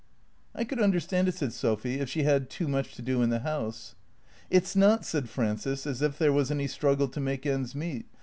" I could understand it/' said Sophy, " if she had too much to do in the house." " It 's not," said Frances, " as if there was any struggle to make ends meet.